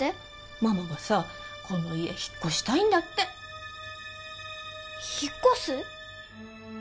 ママがさこの家引っ越したいんだって引っ越す？